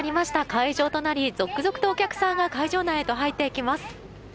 開場となり、続々とお客さんが会場内へと入っていきます。